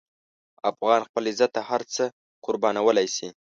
افغان خپل عزت ته هر څه قربانولی شي.